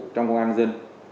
trong công an dân